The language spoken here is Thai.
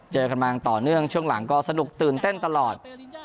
เจอกันมาต่อเนื่องช่วงหลังก็สนุกตื่นเต้นตลอด